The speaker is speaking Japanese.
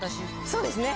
そうですね。